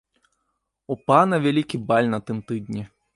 У пана вялікі баль на тым тыдні.